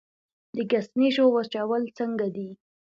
د ګشنیزو وچول څنګه دي؟